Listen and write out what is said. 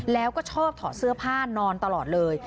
แล้วก็ชอบถอดเสื้อผ้านอนตลอดเลย